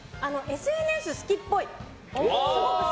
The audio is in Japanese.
ＳＮＳ好きっぽい。